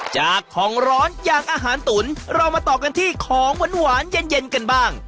จากของร้อนอย่างอาหารตุ๋นเรามาต่อกันที่ของหวานเย็นกันบ้าง